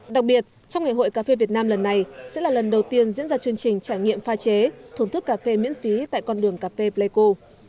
đặc biệt trong ngày hội cà phê việt nam lần này sẽ là lần đầu tiên diễn ra chương trình trải nghiệm pha chế thưởng thức cà phê miễn phí tại con đường cà phê pleiku